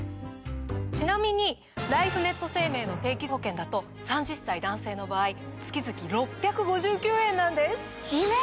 ちなみにライフネット生命の定期保険だと３０歳男性の場合月々６５９円なんです！